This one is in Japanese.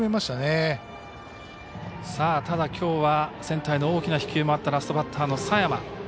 ただ、きょうはセンターへの大きな飛球もあったラストバッターの佐山。